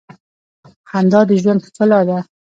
• خندا د ژوند ښکلا ده.